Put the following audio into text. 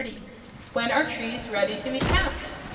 When are trees ready to be tapped?